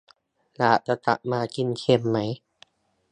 อยากจะกลับมากินเค็มไหม ?